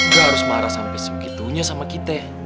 gak harus marah sampai segitunya sama kita